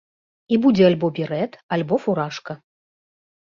І будзе альбо берэт, альбо фуражка.